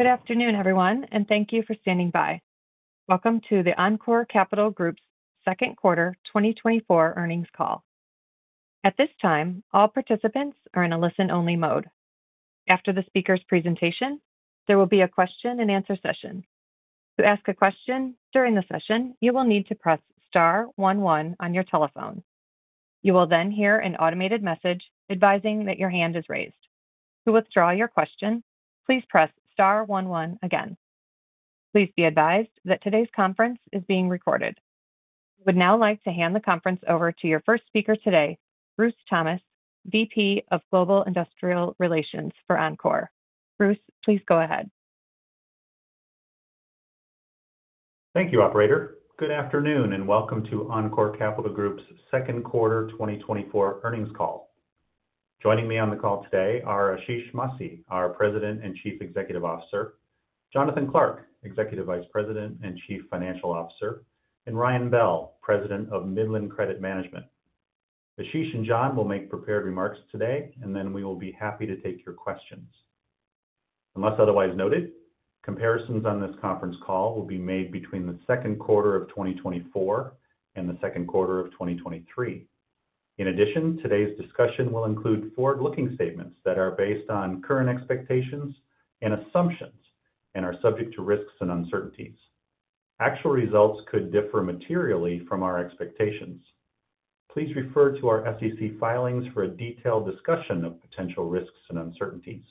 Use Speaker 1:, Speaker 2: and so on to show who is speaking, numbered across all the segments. Speaker 1: Good afternoon, everyone, and thank you for standing by. Welcome to the Encore Capital Group's second quarter 2024 earnings call. At this time, all participants are in a listen-only mode. After the speaker's presentation, there will be a question-and-answer session. To ask a question during the session, you will need to press star one one on your telephone. You will then hear an automated message advising that your hand is raised. To withdraw your question, please press star one one again. Please be advised that today's conference is being recorded. I would now like to hand the conference over to your first speaker today, Bruce Thomas, VP of Global Investor Relations for Encore. Bruce, please go ahead.
Speaker 2: Thank you, operator. Good afternoon, and welcome to Encore Capital Group's second quarter 2024 earnings call. Joining me on the call today are Ashish Masih, our President and Chief Executive Officer; Jonathan Clark, Executive Vice President and Chief Financial Officer; and Ryan Bell, President of Midland Credit Management. Ashish and John will make prepared remarks today, and then we will be happy to take your questions. Unless otherwise noted, comparisons on this conference call will be made between the second quarter of 2024 and the second quarter of 2023. In addition, today's discussion will include forward-looking statements that are based on current expectations and assumptions and are subject to risks and uncertainties. Actual results could differ materially from our expectations. Please refer to our SEC filings for a detailed discussion of potential risks and uncertainties.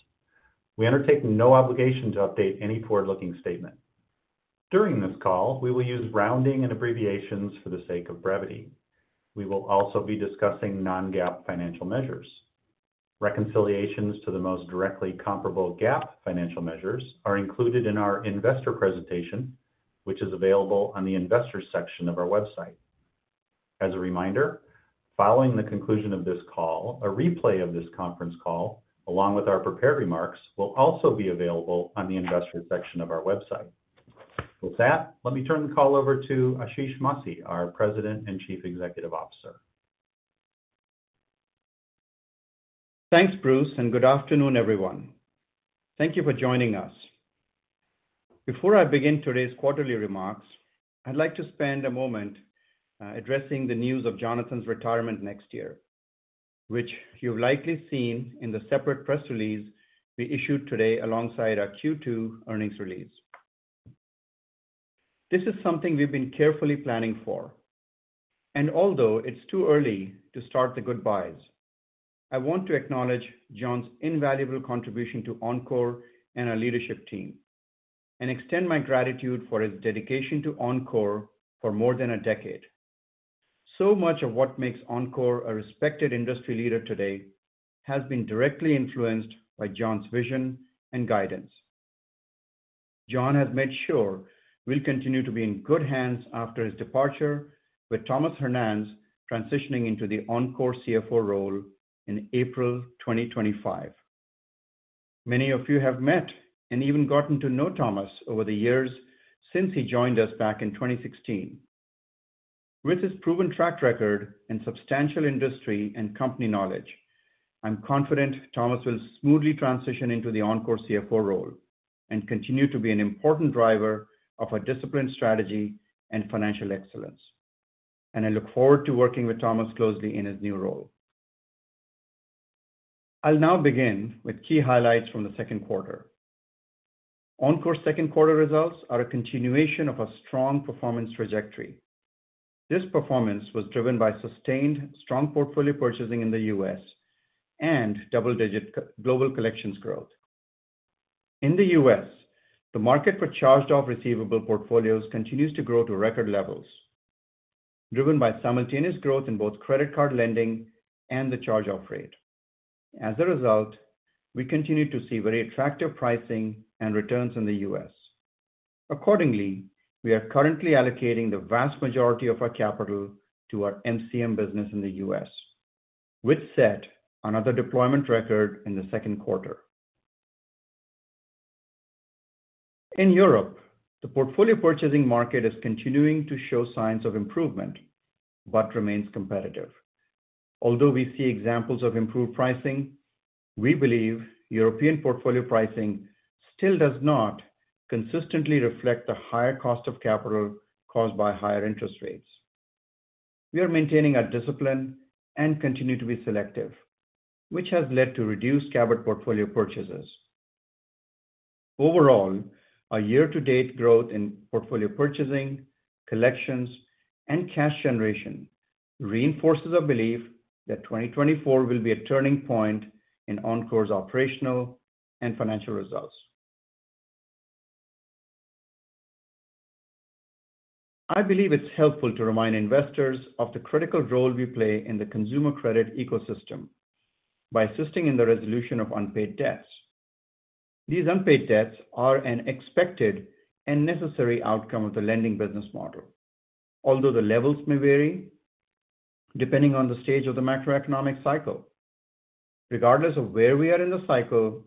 Speaker 2: We undertake no obligation to update any forward-looking statement. During this call, we will use rounding and abbreviations for the sake of brevity. We will also be discussing non-GAAP financial measures. Reconciliations to the most directly comparable GAAP financial measures are included in our investor presentation, which is available on the Investors section of our website. As a reminder, following the conclusion of this call, a replay of this conference call, along with our prepared remarks, will also be available on the Investors section of our website. With that, let me turn the call over to Ashish Masih, our President and Chief Executive Officer.
Speaker 3: Thanks, Bruce, and good afternoon, everyone. Thank you for joining us. Before I begin today's quarterly remarks, I'd like to spend a moment addressing the news of Jonathan's retirement next year, which you've likely seen in the separate press release we issued today alongside our Q2 earnings release. This is something we've been carefully planning for, and although it's too early to start the goodbyes, I want to acknowledge John's invaluable contribution to Encore and our leadership team and extend my gratitude for his dedication to Encore for more than a decade. So much of what makes Encore a respected industry leader today has been directly influenced by John's vision and guidance. John has made sure we'll continue to be in good hands after his departure, with Tomas Hernanz transitioning into the Encore CFO role in April 2025. Many of you have met and even gotten to know Thomas over the years since he joined us back in 2016. With his proven track record and substantial industry and company knowledge, I'm confident Thomas will smoothly transition into the Encore CFO role and continue to be an important driver of our discipline, strategy, and financial excellence. I look forward to working with Thomas closely in his new role. I'll now begin with key highlights from the second quarter. Encore's second quarter results are a continuation of a strong performance trajectory. This performance was driven by sustained strong portfolio purchasing in the U.S. and double-digit global collections growth. In the U.S., the market for charged-off receivable portfolios continues to grow to record levels, driven by simultaneous growth in both credit card lending and the charge-off rate. As a result, we continue to see very attractive pricing and returns in the U.S. Accordingly, we are currently allocating the vast majority of our capital to our MCM business in the U.S., which set another deployment record in the second quarter. In Europe, the portfolio purchasing market is continuing to show signs of improvement but remains competitive. Although we see examples of improved pricing, we believe European portfolio pricing still does not consistently reflect the higher cost of capital caused by higher interest rates. We are maintaining our discipline and continue to be selective, which has led to reduced Cabot portfolio purchases. Overall, our year-to-date growth in portfolio purchasing, collections, and cash generation reinforces our belief that 2024 will be a turning point in Encore's operational and financial results. I believe it's helpful to remind investors of the critical role we play in the consumer credit ecosystem by assisting in the resolution of unpaid debts. These unpaid debts are an expected and necessary outcome of the lending business model, although the levels may vary depending on the stage of the macroeconomic cycle. Regardless of where we are in the cycle,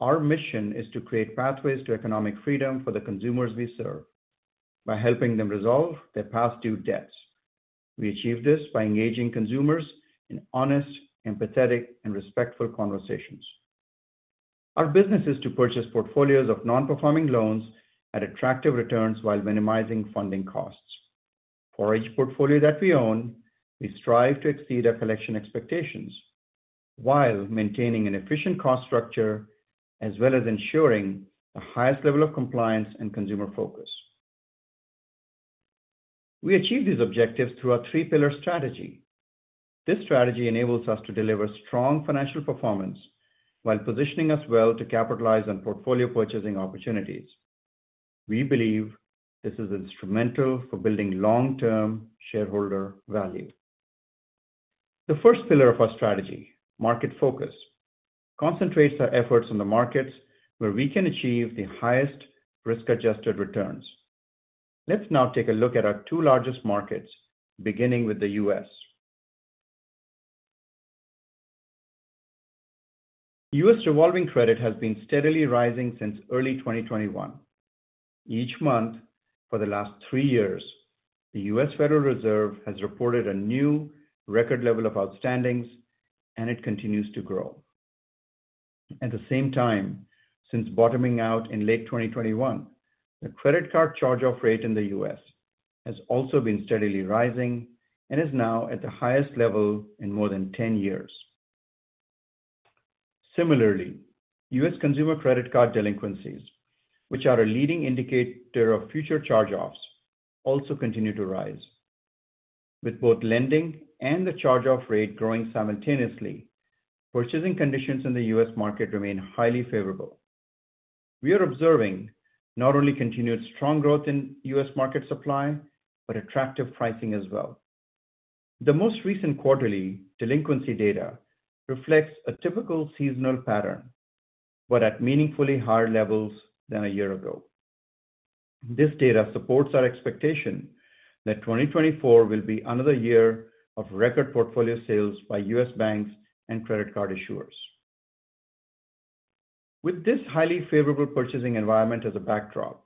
Speaker 3: our mission is to create pathways to economic freedom for the consumers we serve by helping them resolve their past-due debts.... We achieve this by engaging consumers in honest, empathetic, and respectful conversations. Our business is to purchase portfolios of non-performing loans at attractive returns while minimizing funding costs. For each portfolio that we own, we strive to exceed our collection expectations while maintaining an efficient cost structure, as well as ensuring the highest level of compliance and consumer focus. We achieve these objectives through our three-pillar strategy. This strategy enables us to deliver strong financial performance while positioning us well to capitalize on portfolio purchasing opportunities. We believe this is instrumental for building long-term shareholder value. The first pillar of our strategy, market focus, concentrates our efforts on the markets where we can achieve the highest risk-adjusted returns. Let's now take a look at our two largest markets, beginning with the U.S. U.S. revolving credit has been steadily rising since early 2021. Each month for the last 3 years, the U.S. Federal Reserve has reported a new record level of outstandings, and it continues to grow. At the same time, since bottoming out in late 2021, the credit card charge-off rate in the U.S. has also been steadily rising and is now at the highest level in more than 10 years. Similarly, U.S. consumer credit card delinquencies, which are a leading indicator of future charge-offs, also continue to rise. With both lending and the charge-off rate growing simultaneously, purchasing conditions in the U.S. market remain highly favorable. We are observing not only continued strong growth in U.S. market supply, but attractive pricing as well. The most recent quarterly delinquency data reflects a typical seasonal pattern, but at meaningfully higher levels than a year ago. This data supports our expectation that 2024 will be another year of record portfolio sales by U.S. banks and credit card issuers. With this highly favorable purchasing environment as a backdrop,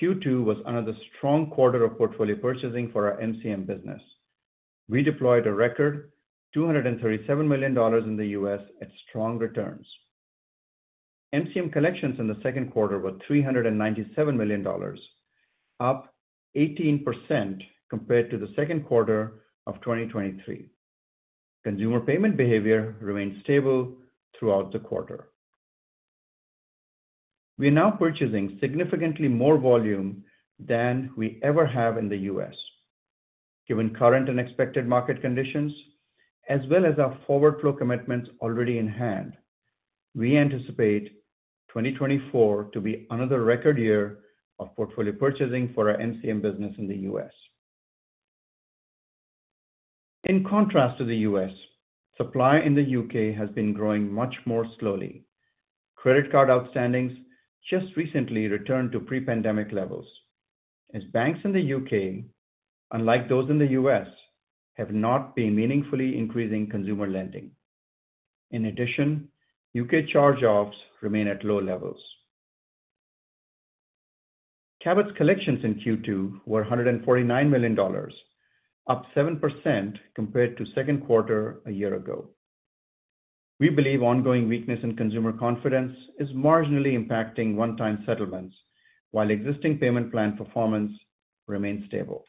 Speaker 3: Q2 was another strong quarter of portfolio purchasing for our MCM business. We deployed a record $237 million in the US at strong returns. MCM collections in the second quarter were $397 million, up 18% compared to the second quarter of 2023. Consumer payment behavior remained stable throughout the quarter. We are now purchasing significantly more volume than we ever have in the U.S. Given current and expected market conditions, as well as our forward flow commitments already in hand, we anticipate 2024 to be another record year of portfolio purchasing for our MCM business in the U.S. In contrast to the U.S., supply in the U.K. has been growing much more slowly. Credit card outstandings just recently returned to pre-pandemic levels, as banks in the U.K., unlike those in the U.S., have not been meaningfully increasing consumer lending. In addition, U.K. charge-offs remain at low levels. Cabot's collections in Q2 were $149 million, up 7% compared to second quarter a year ago. We believe ongoing weakness in consumer confidence is marginally impacting one-time settlements, while existing payment plan performance remains stable.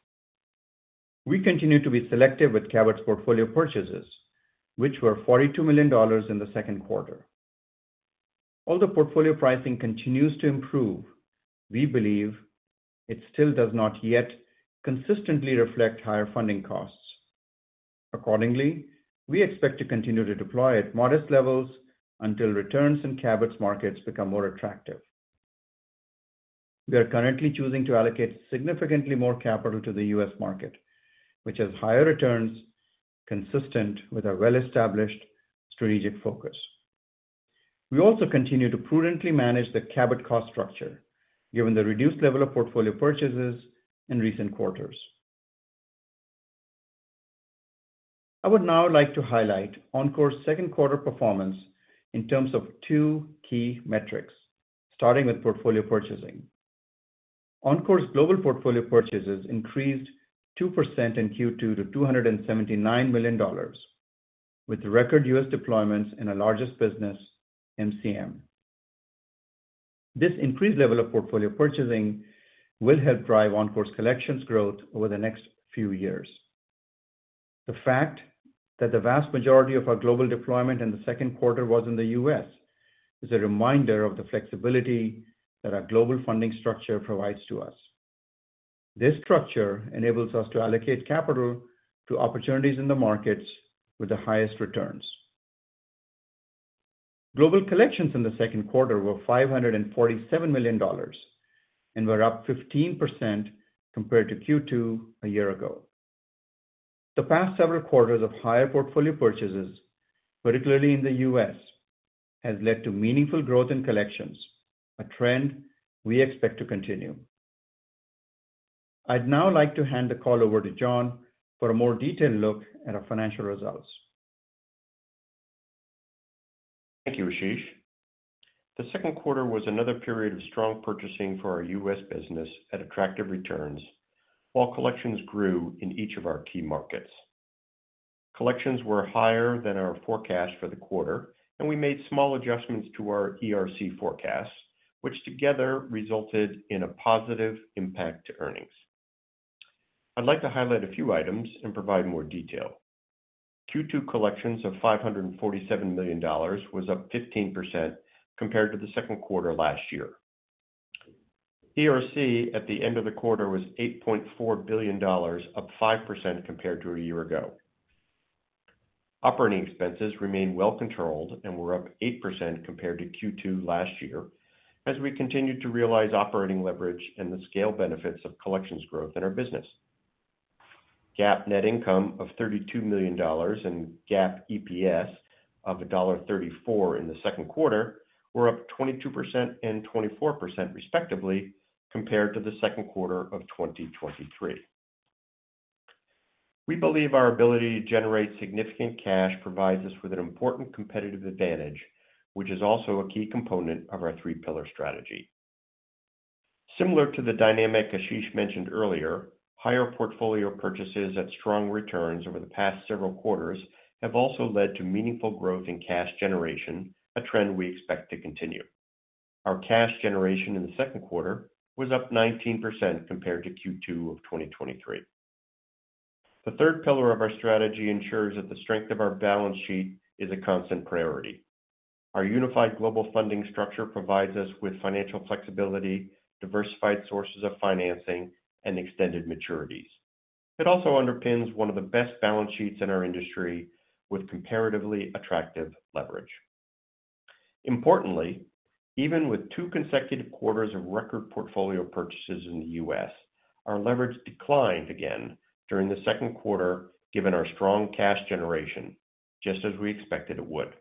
Speaker 3: We continue to be selective with Cabot's portfolio purchases, which were $42 million in the second quarter. Although portfolio pricing continues to improve, we believe it still does not yet consistently reflect higher funding costs. Accordingly, we expect to continue to deploy at modest levels until returns in Cabot's markets become more attractive. We are currently choosing to allocate significantly more capital to the U.S. market, which has higher returns consistent with our well-established strategic focus. We also continue to prudently manage the Cabot cost structure, given the reduced level of portfolio purchases in recent quarters. I would now like to highlight Encore's second quarter performance in terms of two key metrics, starting with portfolio purchasing. Encore's global portfolio purchases increased 2% in Q2 to $279 million, with record U.S. deployments in our largest business, MCM. This increased level of portfolio purchasing will help drive Encore's collections growth over the next few years. The fact that the vast majority of our global deployment in the second quarter was in the US, is a reminder of the flexibility that our global funding structure provides to us. This structure enables us to allocate capital to opportunities in the markets with the highest returns. Global collections in the second quarter were $547 million and were up 15% compared to Q2 a year ago. The past several quarters of higher portfolio purchases, particularly in the U.S., has led to meaningful growth in collections, a trend we expect to continue. I'd now like to hand the call over to John for a more detailed look at our financial results....
Speaker 4: Thank you, Ashish. The second quarter was another period of strong purchasing for our U.S. business at attractive returns, while collections grew in each of our key markets. Collections were higher than our forecast for the quarter, and we made small adjustments to our ERC forecast, which together resulted in a positive impact to earnings. I'd like to highlight a few items and provide more detail. Q2 collections of $547 million was up 15% compared to the second quarter last year. ERC at the end of the quarter was $8.4 billion, up 5% compared to a year ago. Operating expenses remain well controlled and were up 8% compared to Q2 last year, as we continued to realize operating leverage and the scale benefits of collections growth in our business. GAAP net income of $32 million and GAAP EPS of $1.34 in the second quarter were up 22% and 24%, respectively, compared to the second quarter of 2023. We believe our ability to generate significant cash provides us with an important competitive advantage, which is also a key component of our three-pillar strategy. Similar to the dynamic Ashish mentioned earlier, higher portfolio purchases at strong returns over the past several quarters have also led to meaningful growth in cash generation, a trend we expect to continue. Our cash generation in the second quarter was up 19% compared to Q2 of 2023. The third pillar of our strategy ensures that the strength of our balance sheet is a constant priority. Our unified global funding structure provides us with financial flexibility, diversified sources of financing, and extended maturities. It also underpins one of the best balance sheets in our industry, with comparatively attractive leverage. Importantly, even with two consecutive quarters of record portfolio purchases in the U.S., our leverage declined again during the second quarter, given our strong cash generation, just as we expected it would.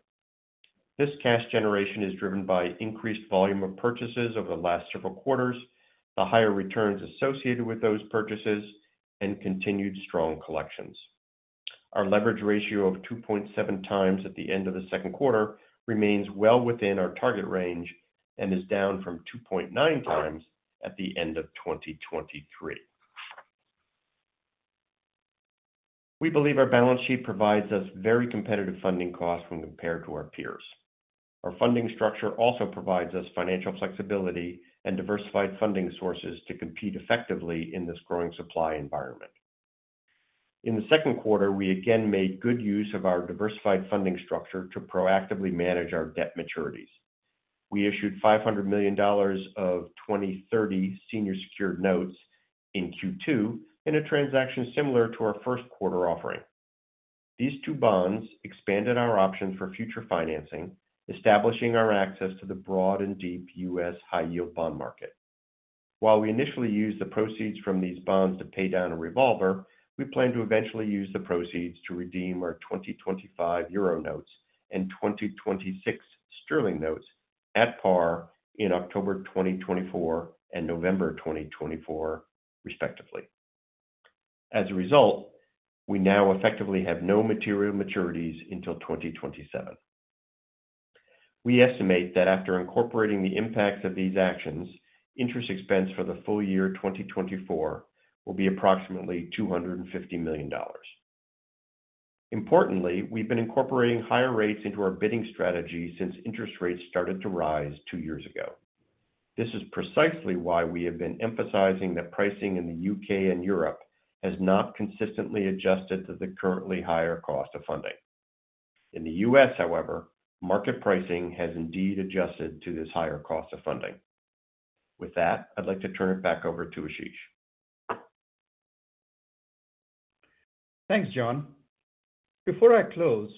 Speaker 4: This cash generation is driven by increased volume of purchases over the last several quarters, the higher returns associated with those purchases, and continued strong collections. Our leverage ratio of 2.7 times at the end of the second quarter remains well within our target range and is down from 2.9 times at the end of 2023. We believe our balance sheet provides us very competitive funding costs when compared to our peers. Our funding structure also provides us financial flexibility and diversified funding sources to compete effectively in this growing supply environment. In the second quarter, we again made good use of our diversified funding structure to proactively manage our debt maturities. We issued $500 million of 2030 Senior Secured Notes in Q2, in a transaction similar to our first quarter offering. These two bonds expanded our options for future financing, establishing our access to the broad and deep U.S. high-yield bond market. While we initially used the proceeds from these bonds to pay down a revolver, we plan to eventually use the proceeds to redeem our 2025 euro notes and 2026 sterling notes at par in October 2024 and November 2024, respectively. As a result, we now effectively have no material maturities until 2027. We estimate that after incorporating the impacts of these actions, interest expense for the full year 2024 will be approximately $250 million. Importantly, we've been incorporating higher rates into our bidding strategy since interest rates started to rise two years ago. This is precisely why we have been emphasizing that pricing in the U.K. and Europe has not consistently adjusted to the currently higher cost of funding. In the U.S., however, market pricing has indeed adjusted to this higher cost of funding. With that, I'd like to turn it back over to Ashish.
Speaker 3: Thanks, John. Before I close,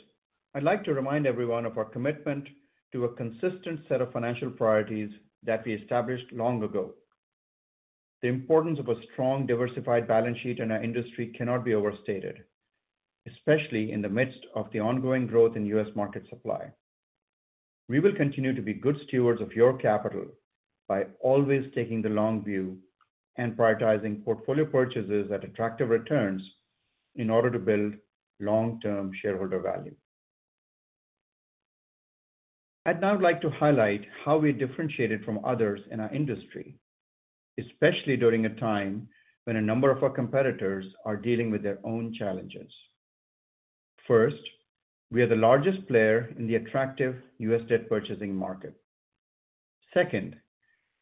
Speaker 3: I'd like to remind everyone of our commitment to a consistent set of financial priorities that we established long ago. The importance of a strong, diversified balance sheet in our industry cannot be overstated, especially in the midst of the ongoing growth in U.S. market supply. We will continue to be good stewards of your capital by always taking the long view and prioritizing portfolio purchases at attractive returns in order to build long-term shareholder value. I'd now like to highlight how we differentiated from others in our industry, especially during a time when a number of our competitors are dealing with their own challenges. First, we are the largest player in the attractive U.S. debt purchasing market. Second,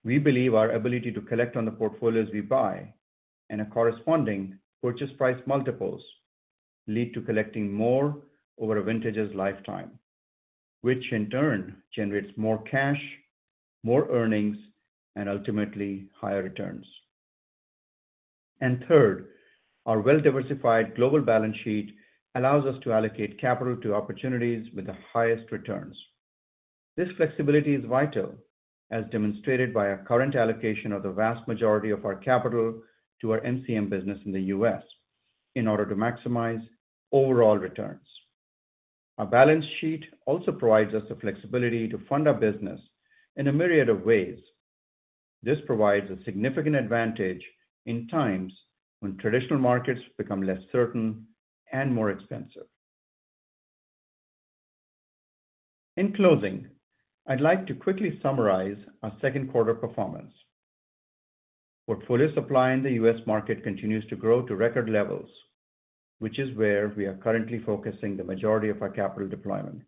Speaker 3: we believe our ability to collect on the portfolios we buy, and the corresponding purchase price multiples, lead to collecting more over a vintage's lifetime, which in turn generates more cash, more earnings, and ultimately, higher returns. And third, our well-diversified global balance sheet allows us to allocate capital to opportunities with the highest returns. This flexibility is vital, as demonstrated by our current allocation of the vast majority of our capital to our MCM business in the U.S. in order to maximize overall returns. Our balance sheet also provides us the flexibility to fund our business in a myriad of ways-... This provides a significant advantage in times when traditional markets become less certain and more expensive. In closing, I'd like to quickly summarize our second quarter performance. Portfolio supply in the U.S. market continues to grow to record levels, which is where we are currently focusing the majority of our capital deployment.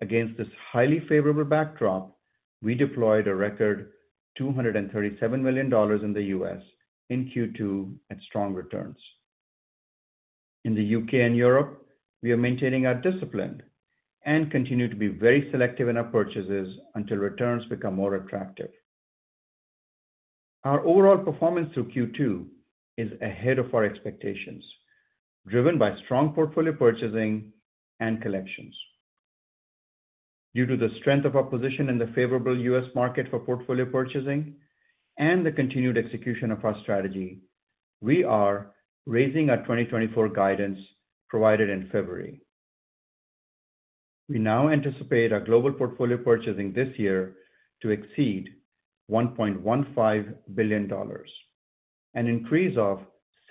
Speaker 3: Against this highly favorable backdrop, we deployed a record $237 million in the U.S. in Q2 at strong returns. In the U.K. and Europe, we are maintaining our discipline and continue to be very selective in our purchases until returns become more attractive. Our overall performance through Q2 is ahead of our expectations, driven by strong portfolio purchasing and collections. Due to the strength of our position in the favorable U.S. market for portfolio purchasing and the continued execution of our strategy, we are raising our 2024 guidance provided in February. We now anticipate our global portfolio purchasing this year to exceed $1.15 billion, an increase of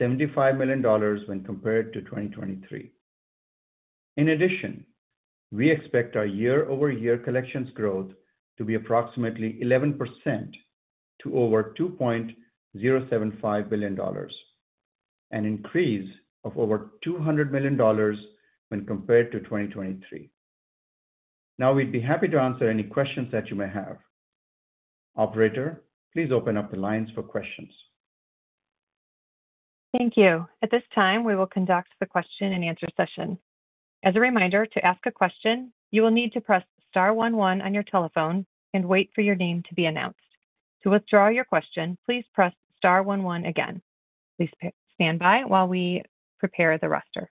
Speaker 3: $75 million when compared to 2023. In addition, we expect our year-over-year collections growth to be approximately 11% to over $2.075 billion, an increase of over $200 million when compared to 2023. Now, we'd be happy to answer any questions that you may have. Operator, please open up the lines for questions.
Speaker 1: Thank you. At this time, we will conduct the question-and-answer session. As a reminder, to ask a question, you will need to press star one one on your telephone and wait for your name to be announced. To withdraw your question, please press star one one again. Please stand by while we prepare the roster.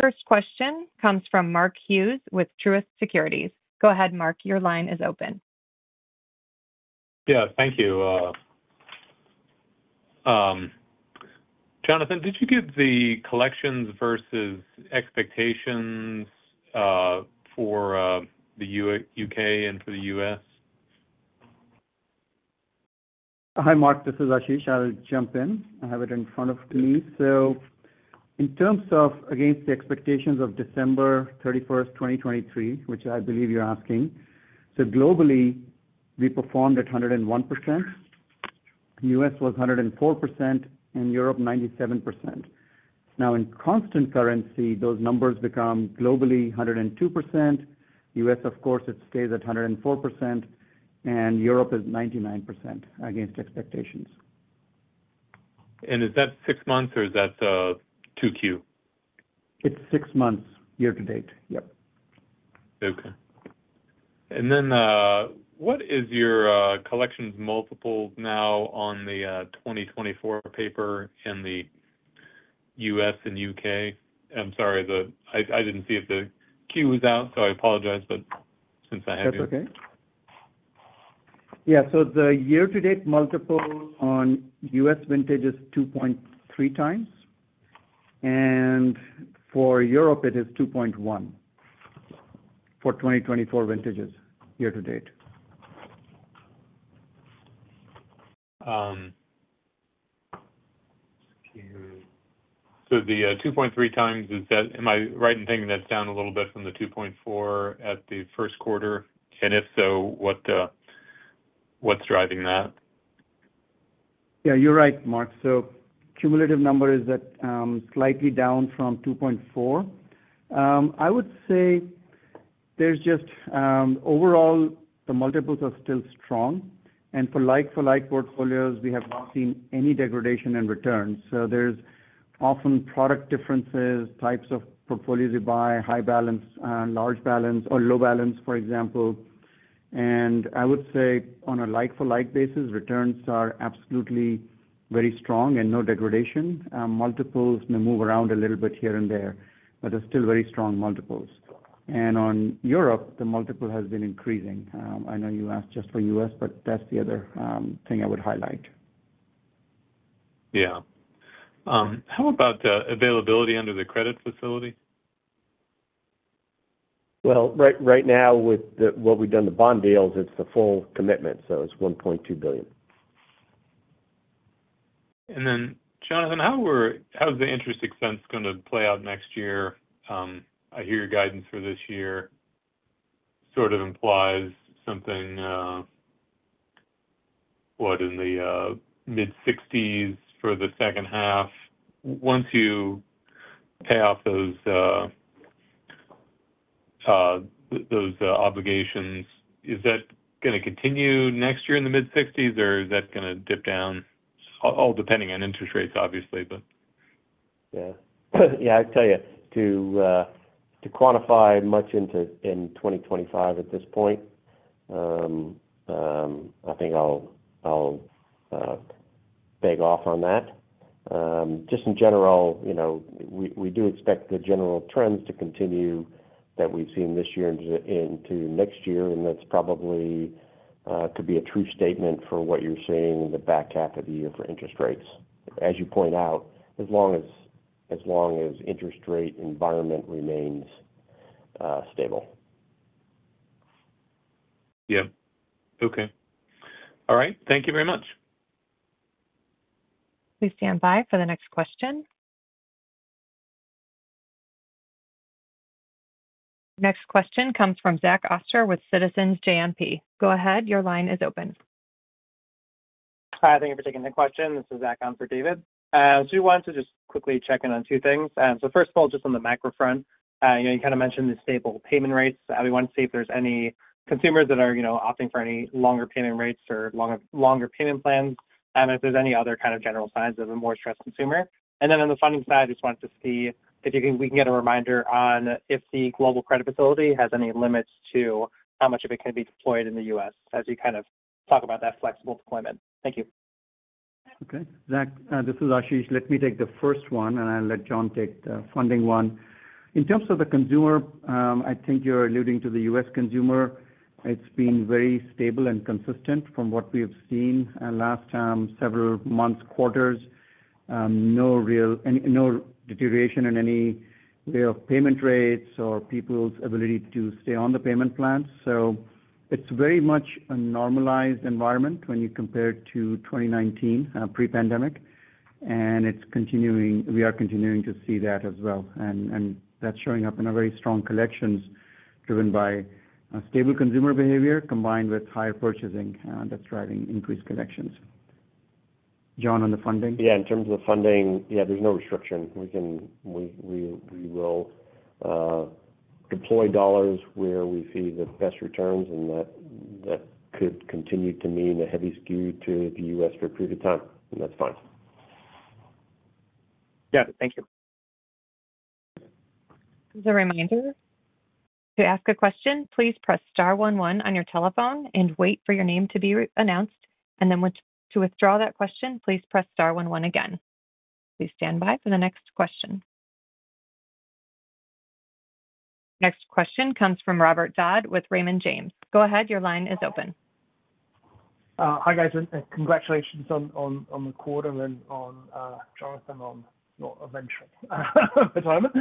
Speaker 1: First question comes from Mark Hughes with Truist Securities. Go ahead, Mark, your line is open.
Speaker 5: Yeah, thank you. Jonathan, did you give the collections versus expectations for the U.K. and for the U.S.?
Speaker 3: Hi, Mark, this is Ashish. I'll jump in. I have it in front of me. So in terms of against the expectations of December 31, 2023, which I believe you're asking, so globally, we performed at 101%. U.S. was 104%, and Europe, 97%. Now, in constant currency, those numbers become globally, 102%. U.S., of course, it stays at 104%, and Europe is 99% against expectations.
Speaker 5: Is that six months or is that 2Q?
Speaker 3: It's six months, year to date. Yep.
Speaker 5: Okay. And then, what is your collections multiple now on the 2024 paper in the U.S. and U.K.? I'm sorry, the-- I, I didn't see if the Q was out, so I apologize, but since I have you.
Speaker 3: That's okay. Yeah, so the year-to-date multiple on U.S. vintage is 2.3x, and for Europe it is 2.1x for 2024 vintages year to date.
Speaker 5: So the 2.3 times, is that am I right in thinking that's down a little bit from the 2.4 at the first quarter? And if so, what's driving that?
Speaker 3: Yeah, you're right, Mark. So cumulative number is at slightly down from 2.4. I would say there's just Overall, the multiples are still strong, and for like-for-like portfolios, we have not seen any degradation in returns. So there's often product differences, types of portfolios we buy, high balance, large balance or low balance, for example. And I would say on a like-for-like basis, returns are absolutely very strong and no degradation. Multiples may move around a little bit here and there, but they're still very strong multiples. And on Europe, the multiple has been increasing. I know you asked just for U.S., but that's the other thing I would highlight.
Speaker 5: Yeah. How about availability under the credit facility?
Speaker 3: Well, right, right now, with the—what we've done, the bond deals, it's the full commitment, so it's $1.2 billion.
Speaker 5: Then, Jonathan, how's the interest expense gonna play out next year? I hear your guidance for this year sort of implies something in the mid-$60s for the second half. Once you pay off those obligations, is that gonna continue next year in the mid-$60s, or is that gonna dip down? All depending on interest rates, obviously, but.
Speaker 3: Yeah. Yeah, I'd tell you, to, to quantify much into in 2025 at this point, I think I'll, I'll, beg off on that. Just in general, you know, we, we do expect the general trends to continue that we've seen this year into, into next year, and that's probably-...
Speaker 4: could be a true statement for what you're seeing in the back half of the year for interest rates. As you point out, as long as interest rate environment remains, stable.
Speaker 5: Yeah. Okay. All right, thank you very much.
Speaker 1: Please stand by for the next question. Next question comes from Zach Oster with Citizens JMP. Go ahead, your line is open.
Speaker 6: Hi, thank you for taking the question. This is Zach on for David. So we wanted to just quickly check in on two things. So first of all, just on the macro front, you know, you kind of mentioned the stable payment rates. We want to see if there's any consumers that are, you know, opting for any longer payment rates or longer payment plans, and if there's any other kind of general signs of a more stressed consumer. And then on the funding side, I just wanted to see if we can get a reminder on if the global credit facility has any limits to how much of it can be deployed in the U.S., as you kind of talk about that flexible deployment. Thank you.
Speaker 3: Okay, Zach, this is Ashish. Let me take the first one, and I'll let John take the funding one. In terms of the consumer, I think you're alluding to the U.S. consumer. It's been very stable and consistent from what we have seen in last several months, quarters. No real... No deterioration in any way of payment rates or people's ability to stay on the payment plan. So it's very much a normalized environment when you compare it to 2019, pre-pandemic, and it's continuing - we are continuing to see that as well. And, and that's showing up in our very strong collections, driven by, stable consumer behavior, combined with higher purchasing, that's driving increased collections. John, on the funding?
Speaker 4: Yeah, in terms of funding, yeah, there's no restriction. We can, we will deploy dollars where we see the best returns, and that could continue to mean a heavy skew to the U.S. for a period of time, and that's fine.
Speaker 6: Yeah, thank you.
Speaker 1: As a reminder, to ask a question, please press star one one on your telephone and wait for your name to be re-announced, and then to withdraw that question, please press star one one again. Please stand by for the next question. Next question comes from Robert Dodd with Raymond James. Go ahead, your line is open.
Speaker 7: Hi, guys, and congratulations on the quarter and on Jonathan, on your eventual retirement.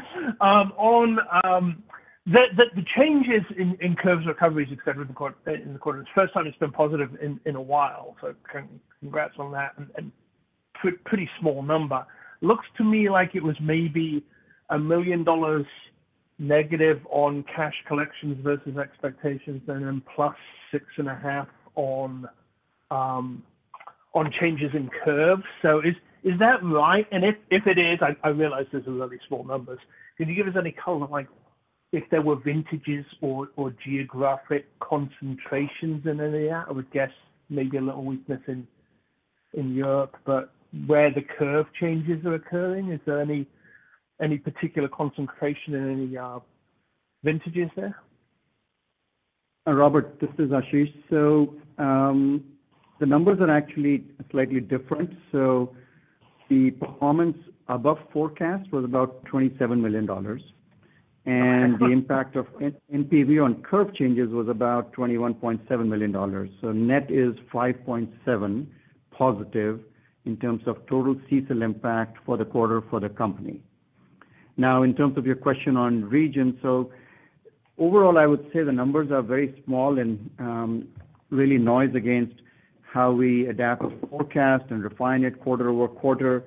Speaker 7: On the changes in curves, recoveries, et cetera, in the quarter, it's the first time it's been positive in a while, so congrats on that, and pretty small number. Looks to me like it was maybe $1 million negative on cash collections versus expectations, and then plus 6.5 on changes in curves. So is that right? And if it is, I realize these are really small numbers. Can you give us any color, like if there were vintages or geographic concentrations in any area? I would guess maybe a little weakness in Europe, but where the curve changes are occurring, is there any particular concentration in any vintages there?
Speaker 3: Robert, this is Ashish. So, the numbers are actually slightly different. So the performance above forecast was about $27 million, and the impact of NPV on curve changes was about $21.7 million. So net is $5.7 million positive in terms of total CECL impact for the quarter for the company. Now, in terms of your question on regions, so overall, I would say the numbers are very small and really noise against how we adapt a forecast and refine it quarter over quarter.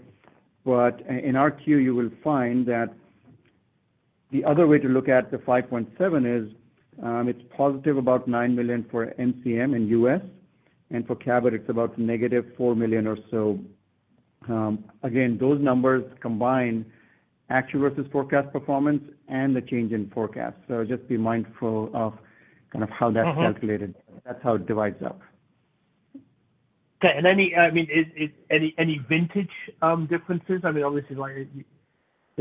Speaker 3: But in our queue, you will find that the other way to look at the 5.7 is, it's positive about $9 million for MCM in US, and for Cabot, it's about -$4 million or so. Again, those numbers combine actual versus forecast performance and the change in forecast. Just be mindful of kind of how that's calculated.
Speaker 7: Mm-hmm.
Speaker 3: That's how it divides up.
Speaker 7: Okay. And any, I mean, is any vintage differences? I mean, obviously, like, you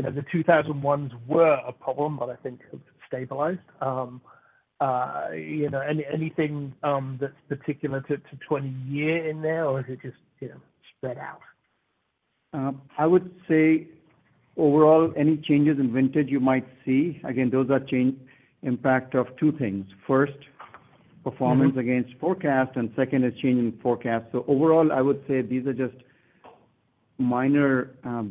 Speaker 7: know, the 2021s were a problem, but I think it's stabilized. You know, anything that's particular to 2020 in there, or is it just, you know, spread out?
Speaker 3: I would say overall, any changes in vintage you might see, again, those are change impact of two things. First-
Speaker 7: Mm-hmm...
Speaker 3: performance against forecast, and second is changing forecast. So overall, I would say these are just minor,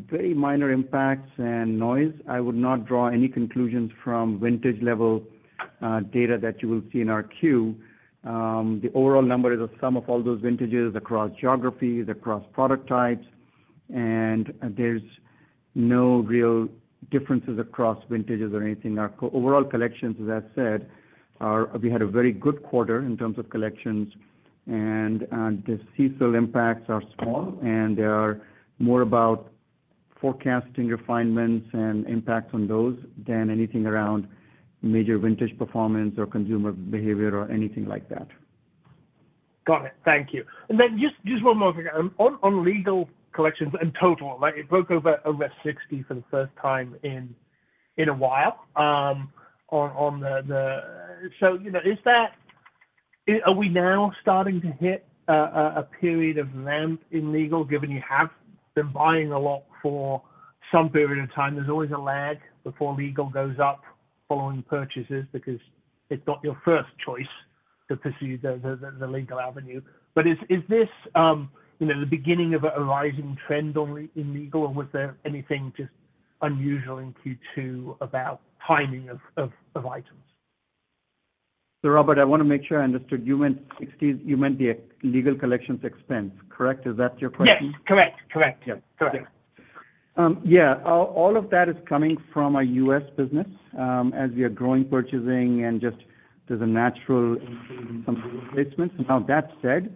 Speaker 3: very minor impacts and noise. I would not draw any conclusions from vintage level data that you will see in our Q. The overall number is a sum of all those vintages across geographies, across product types, and there's no real differences across vintages or anything. Our overall collections, as I said, are. We had a very good quarter in terms of collections, and the CECL impacts are small, and they are more about forecasting refinements and impacts on those than anything around major vintage performance or consumer behavior or anything like that.
Speaker 7: Got it. Thank you. And then just one more thing. On legal collections in total, like, it broke over 60 for the first time in a while, on the. So, you know, are we now starting to hit a period of length in legal, given you have been buying a lot for some period of time, there's always a lag before legal goes up following purchases, because it's not your first choice to pursue the legal avenue. But is this, you know, the beginning of a rising trend on in legal, or was there anything just unusual in Q2 about timing of items?
Speaker 3: So Robert, I wanna make sure I understood. You meant, excuse me, you meant the legal collections expense, correct? Is that your question?
Speaker 7: Yes, correct. Correct.
Speaker 3: Yeah.
Speaker 7: Correct.
Speaker 3: Yeah, all of that is coming from our U.S. business, as we are growing, purchasing, and just there's a natural increase in some replacements. Now, that said,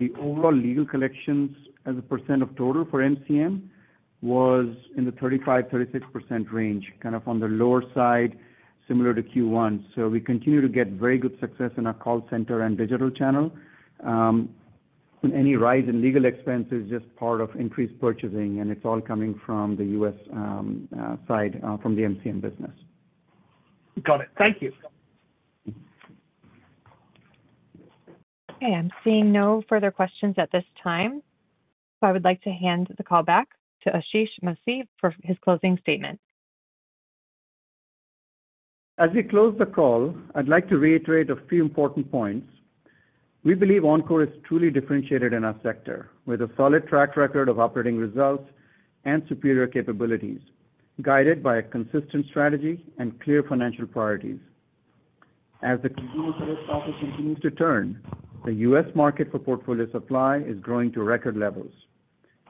Speaker 3: the overall legal collections as a percent of total for MCM was in the 35%-36% range, kind of on the lower side, similar to Q1. So we continue to get very good success in our call center and digital channel. And any rise in legal expense is just part of increased purchasing, and it's all coming from the U.S. side, from the MCM business.
Speaker 7: Got it. Thank you.
Speaker 1: Okay, I'm seeing no further questions at this time. So I would like to hand the call back to Ashish Masih for his closing statement.
Speaker 3: As we close the call, I'd like to reiterate a few important points. We believe Encore is truly differentiated in our sector, with a solid track record of operating results and superior capabilities, guided by a consistent strategy and clear financial priorities. As the consumer service cycle continues to turn, the U.S. market for portfolio supply is growing to record levels.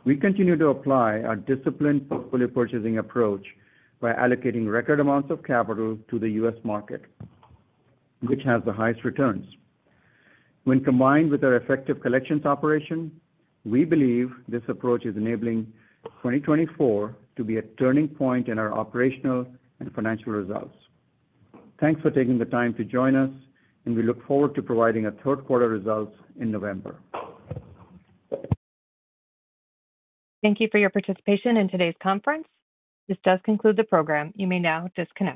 Speaker 3: We continue to apply our disciplined portfolio purchasing approach by allocating record amounts of capital to the U.S. market, which has the highest returns. When combined with our effective collections operation, we believe this approach is enabling 2024 to be a turning point in our operational and financial results. Thanks for taking the time to join us, and we look forward to providing our third quarter results in November.
Speaker 1: Thank you for your participation in today's conference. This does conclude the program. You may now disconnect.